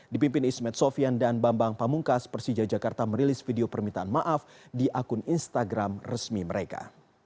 dipimpin ismed sofian dan bambang pamungkas persija jakarta merilis video permintaan maaf di akun instagram resmi mereka